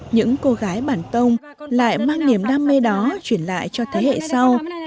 những cô gái bản tông lại mang niềm đam mê đó truyền lại cho thế hệ sau